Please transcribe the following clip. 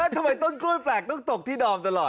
ทำไมต้นกล้วยแปลกต้องตกที่ดอมตลอด